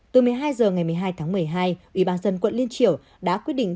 từ một mươi hai h ngày một mươi hai tháng một mươi hai ủy ban dân quận liên triểu đã quyết định